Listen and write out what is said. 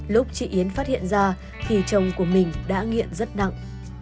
lúc chị yến phát hiện ra thì chồng của mình đã nghiện rất nặng